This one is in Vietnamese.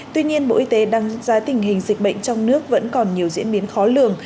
tuy nhiên bộ y tế đánh giá tình hình dịch bệnh trong nước vẫn còn nhiều diễn biến khó lường